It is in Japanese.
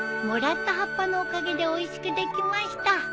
もらった葉っぱのおかげでおいしくできました。